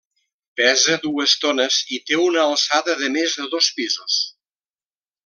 Pesa dues tones i té una alçada de més de dos pisos.